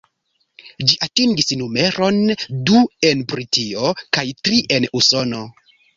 Ĝi atingis numeron du en Britio, kaj tri en Usono.